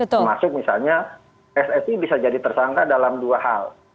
termasuk misalnya pssi bisa jadi tersangka dalam dua hal